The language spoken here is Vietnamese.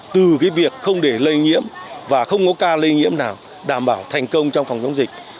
từ việc không để lây nhiễm và không có ca lây nhiễm nào đảm bảo thành công trong phòng chống dịch